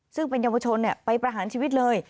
ซึ่งเป็นเยาวชนไปประหารชีวิตเลย